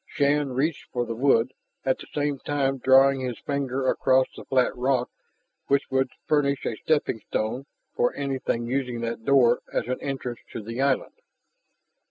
Shann reached for the wood, at the same time drawing his finger across the flat rock which would furnish a steppingstone for anything using that door as an entrance to the island.